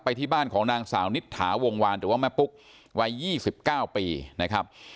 ที่บ้านของนางสาวนิษฐาวงวานหรือว่าแม่ปุ๊กวัย๒๙ปีนะครับ